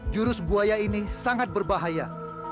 jurus buaya ini sangat berbahaya